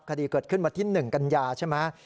คดีเกิดขึ้นวันที่๑กันยาใช่ไหม